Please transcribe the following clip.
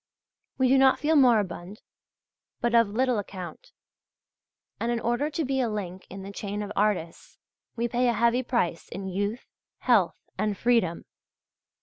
We do not feel moribund, but of little account; and in order to be a link in the chain of artists we pay a heavy price in youth, health, and freedom.